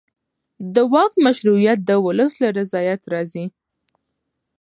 د واک مشروعیت د ولس له رضایت راځي